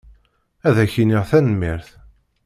Ad ak-iniɣ tanemmirt.